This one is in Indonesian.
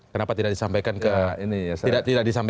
kenapa tidak disampaikan kepada tarunanya